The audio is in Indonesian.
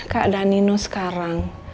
keadaan nino sekarang